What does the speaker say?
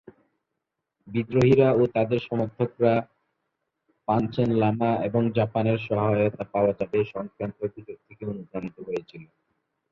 বিদ্রোহীরা ও তাদের সমর্থকরা পাঞ্চেন লামা এবং জাপানের সহায়তা পাওয়া যাবে সংক্রান্ত গুজব থেকে অনুপ্রাণিত হয়েছিল।